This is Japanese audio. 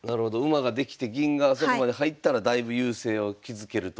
馬ができて銀があそこまで入ったらだいぶ優勢を築けると。